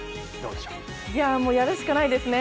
もうやるしかないですね。